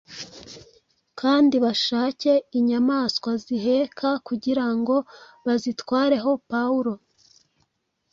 Kandi bashake inyamaswa ziheka, kugira ngo bazitwareho Pawulo,